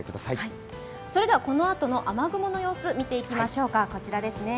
それでは、このあとの雨雲の様子見ていきましょうか。